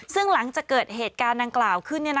ซึ่งหลังจากเกิดเหตุการณ์ดังกล่าวขึ้น